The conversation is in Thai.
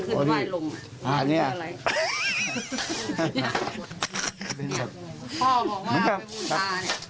พ่อบอกว่าไปมูลตาเนี่ย